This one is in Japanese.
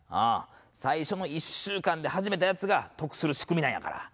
最初の１週間で始めたやつが得する仕組みなんやから。